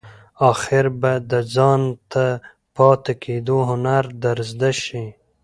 آخیر به د ځانته پاتې کېدو هنر در زده شي !